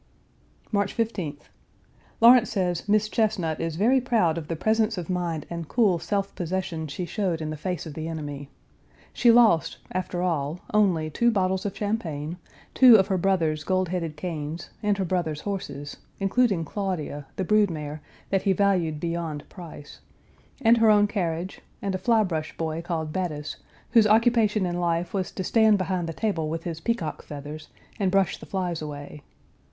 March 15th. Lawrence says Miss Chesnut is very proud of the presence of mind and cool self possession she showed Page 365 in the face of the enemy. She lost, after all, only two bottles of champagne, two of her brother's gold headed canes, and her brother's horses, including Claudia, the brood mare, that he valued beyond price, and her own carriage, and a fly brush boy called Battis, whose occupation in life was to stand behind the table with his peacock feathers and brush the flies away.